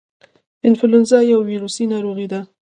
انفلونزا یو ویروسي ناروغي ده